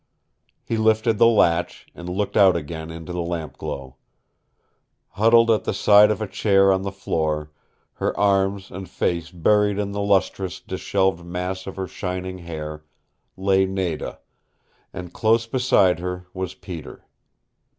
He lifted the latch, and looked out again into the lampglow. Huddled at the side of a chair on the floor, her arms and face buried in the lustrous, disheveled mass of her shining hair lay Nada, and close beside her was Peter.